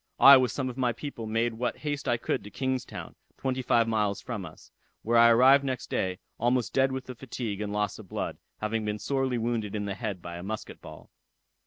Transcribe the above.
I with some of my people made what haste I could to King's town, twenty five miles from us, where I arrived next day, almost dead with the fatigue and loss of blood, having been sorely wounded in the head by a musket ball.